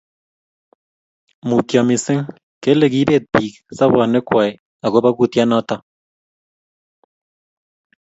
mutyo missing!kele kiibeet biik sobonwekkwai agoba kutyat noto